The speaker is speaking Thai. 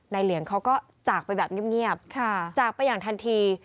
เหลียงเขาก็จากไปแบบเงียบจากไปอย่างทันที